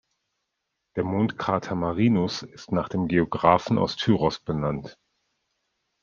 Der Mondkrater Marinus ist nach dem Geographen aus Tyros benannt.